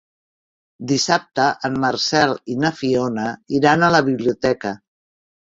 Dissabte en Marcel i na Fiona iran a la biblioteca.